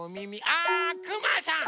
あくまさん！